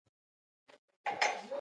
ښه وه پخوا خو به چې غوښتنې کېدې.